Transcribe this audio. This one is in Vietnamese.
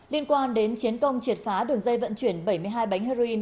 liên quan đến chiến công triệt phá đường dây vận chuyển bảy mươi hai bánh heroin